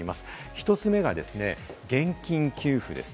１つ目が現金給付です。